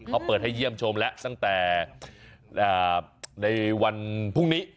เขาเปิดให้เยี่ยมชมแล้วตั้งแต่ในวันพรุ่งนี้